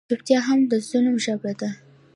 چوپتیا هم د ظلم ژبه ده.